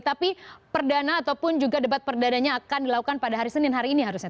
tapi perdana ataupun juga debat perdananya akan dilakukan pada hari senin hari ini harusnya